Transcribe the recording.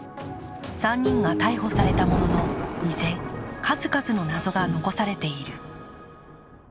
３人が逮捕されたものの依然、数々の謎が残されている。